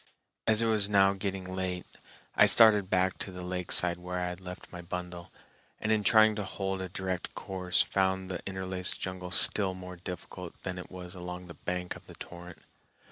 As it was now getting late, I started back to the lakeside where I had left my bundle, and in trying to hold a direct course found the interlaced jungle still more difficult than it was along the bank of the torrent.